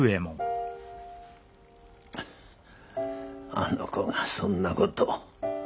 あの子がそんなことを。